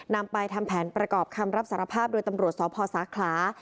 นำไปทำแผนประกอบคำรับสารภาพโดยตำรวจสพสาขลา